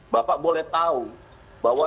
bapak boleh tahu bahwa